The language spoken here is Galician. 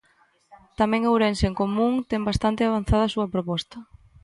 Tamén Ourense en Común ten bastante avanzada a súa proposta.